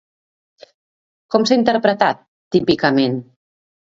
Com s'ha interpretat, típicament?